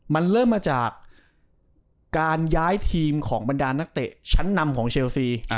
มันเริ่มมาจากการย้ายทีมของบรรดานักเตะชั้นนำของเชลซี